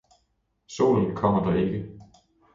solen kommer der ikke.